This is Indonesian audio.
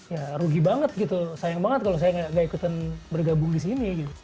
ya rugi banget gitu sayang banget kalau saya gak ikutan bergabung di sini gitu